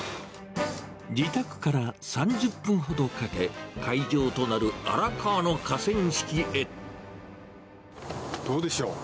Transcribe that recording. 自宅から３０分ほどかけ、どうでしょう。